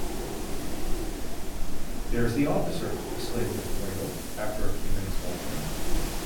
‘There’s the officer,’ exclaimed Mr. Winkle, after a few minutes walking.